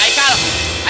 eh sobri haikal